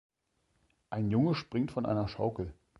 Ein Junge springt von einer Schaukel.